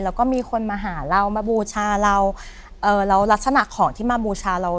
แล้วก็มีคนมาหาเรามาบูชาเราเอ่อแล้วลักษณะของที่มาบูชาเรา